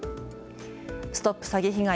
ＳＴＯＰ詐欺被害！